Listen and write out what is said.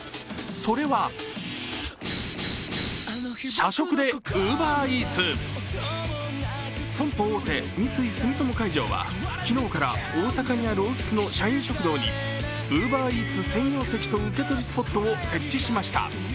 それは損保大手・三井住友海上は昨日から大阪にあるオフィスの社員食堂にＵｂｅｒＥａｔｓ専用席と受け取りスポットを設置しました。